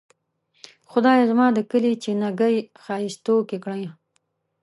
خدایه زما د کلي چینه ګۍ ښائستوکې کړه.